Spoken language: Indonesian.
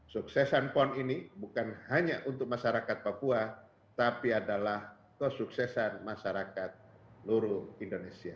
suksesan pon ini bukan hanya untuk masyarakat papua tapi adalah kesuksesan masyarakat luruh indonesia